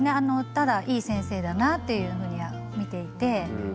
ただいい先生だなっていうふうには見ていてはい。